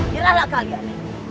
dirah lah kalian